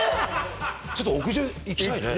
ちょっと屋上行きたいね